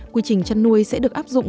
quy trình chăn nuôi sẽ được áp dụng